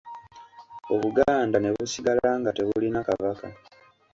Obuganda ne busigala nga tebulina Kabaka.